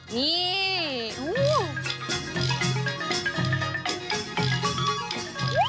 อ๋อนี่อู้ว